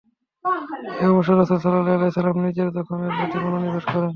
এই অবসরে রাসূল সাল্লাল্লাহু আলাইহি ওয়াসাল্লাম নিজের জখমের প্রতি মনোনিবেশ করেন।